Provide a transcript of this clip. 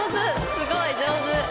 すごい上手！